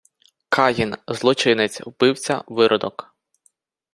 Каїн — злочинець, вбивця, виродок